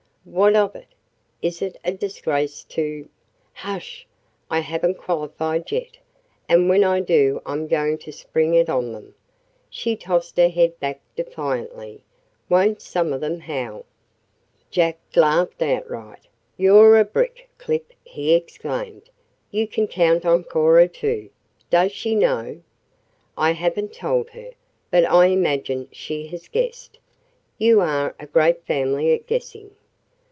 "What of it? Is it a disgrace to " "Hush! I haven't qualified yet, and when I do I'm going to spring it on them." She tossed her head back defiantly. "Won't some of them howl!" Jack laughed outright. "You're a brick, Clip," he exclaimed. "You can count on Cora, too. Does she know?" "I haven't told her, but I imagine she has guessed. You are a great family at guessing."